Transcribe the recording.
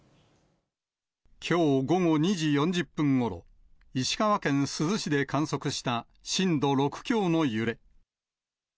きょう午後２時４０分ごろ、石川県珠洲市で観測した震度６強の揺れ。